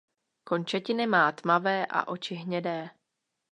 Končetiny má tmavé a oči hnědé.